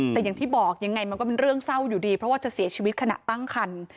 แต่อย่างที่บอกยังไงมันก็เป็นเรื่องเศร้าอยู่ดีเพราะว่าจะเสียชีวิตขณะตั้งคัน